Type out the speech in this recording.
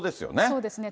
そうですね。